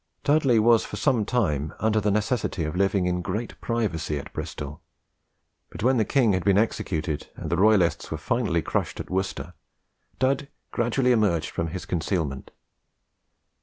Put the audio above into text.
Dudley was for some time under the necessity of living in great privacy at Bristol; but when the king had been executed, and the royalists were finally crushed at Worcester, Dud gradually emerged from his concealment.